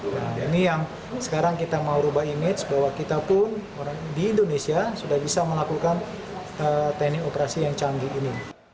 nah ini yang sekarang kita mau rubah image bahwa kita pun di indonesia sudah bisa melakukan teknik operasi yang canggih ini